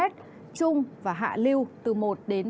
trung và hạ lưu từ một ba m